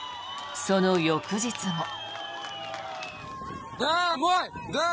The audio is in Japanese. その翌日も。